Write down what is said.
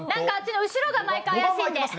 後ろが毎回怪しいんで。